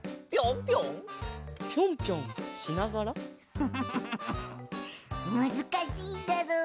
フフフフフフむずかしいだろう。